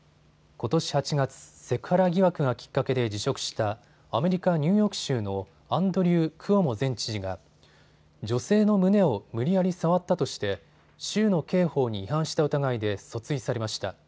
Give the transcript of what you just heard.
ことし８月、セクハラ疑惑がきっかけで辞職したアメリカ・ニューヨーク州のアンドリュー・クオモ前知事が女性の胸を無理やり触ったとして州の刑法に違反した疑いで訴追されました。